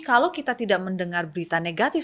kalau kita tidak mendengar berita negatif